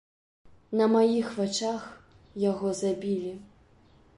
На маіх вачах яго забілі.